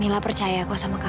milla percaya aku sama kakak